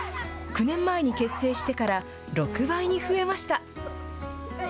９年前に結成してから６倍に増えました。